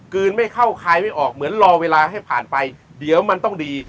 ไม่เข้าคายไม่ออกเหมือนรอเวลาให้ผ่านไปเดี๋ยวมันต้องดี